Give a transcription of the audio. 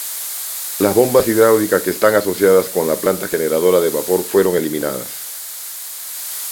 Las bombas hidráulicas que están asociadas con la planta generadora de vapor fueron eliminadas.